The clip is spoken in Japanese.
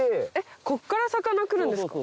こっから魚来るんですか！